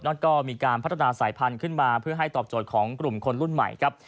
ก็มีการพัฒนาสายพันธุ์ขึ้นมาเพื่อให้ตอบโจทย์ของกลุ่มคนรุ่นใหม่ครับ